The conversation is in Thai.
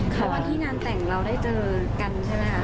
เพราะว่าที่งานแต่งเราได้เจอกันใช่ไหมคะ